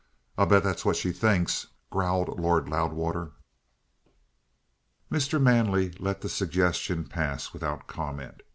"I'll bet that's what she thinks," growled Lord Loudwater. Mr. Manley let the suggestion pass without comment.